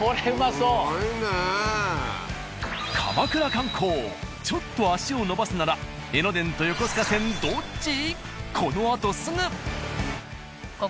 ［鎌倉観光ちょっと足を延ばすなら江ノ電と横須賀線どっち？］